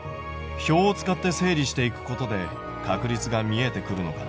表を使って整理していくことで確率が見えてくるのかな？